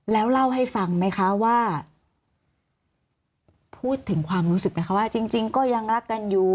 แล้วเล่าให้ฟังไหมคะว่าพูดถึงความรู้สึกไหมคะว่าจริงก็ยังรักกันอยู่